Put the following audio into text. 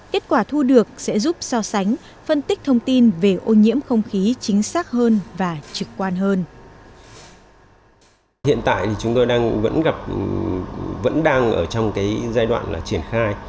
kết quả thu được sẽ giúp so sánh phân tích thông tin về ô nhiễm không khí chính xác hơn và trực quan hơn